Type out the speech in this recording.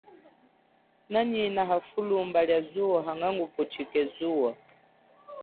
Nanyina hafulumba lia zuwo hanga ngupuchike zuwo.